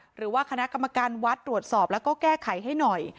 หรือว่าคณะกรรมการวัดตรวจสอบแล้วก็แก้ไขให้หน่อย